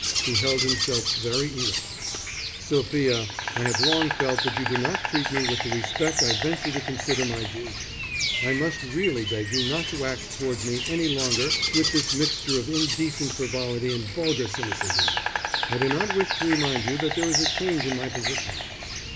He held himself very erect. "Sophia, I have long felt that you do not treat me with the respect I venture to consider my due. I must really beg you not to act towards me any longer with this mixture of indecent frivolity and vulgar cynicism. I do not wish to remind you that there is a change in my position."